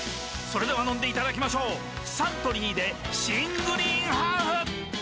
それでは飲んでいただきましょうサントリーで新「グリーンハーフ」！